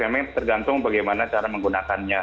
memang tergantung bagaimana cara menggunakannya